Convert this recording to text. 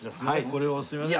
これをすみません。